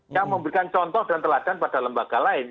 yang memberikan contoh dan teladan pada lembaga lain